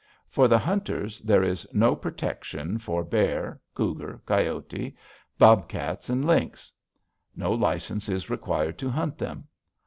For the hunters, there is no protection for bear, cougar, coyotes, bobcats, and lynx. No license is required to hunt them.